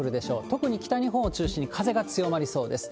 特に北日本を中心に風が強まりそうです。